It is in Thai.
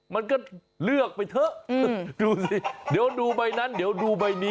มันก็เลือกไปเถอะดูสิเดี๋ยวดูใบนั้นเดี๋ยวดูใบนี้